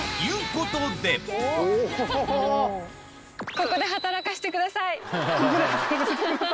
「ここで働かせてください」。